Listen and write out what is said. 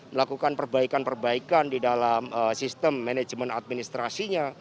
melakukan perbaikan perbaikan di dalam sistem manajemen administrasinya